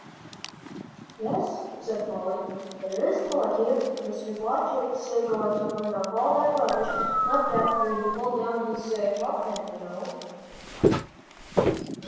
"Yes," said Polly, "there is, Peletiah. Mr. Blodgett's goin' to burn up all that rubbish left after he pulled down his cow pen, you know."